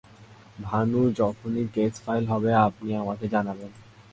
ভানু, যখনি case file হবে আপনি আমাকে জানাবেন।